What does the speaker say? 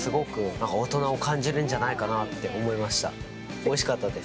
おいしかったです。